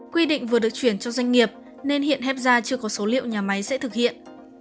quy định vừa được chuyển cho doanh nghiệp nên hiện hepsa chưa có số liệu nhà máy sẽ thực hiện